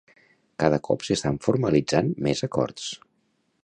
Cada cop s'estan formalitzant més acords?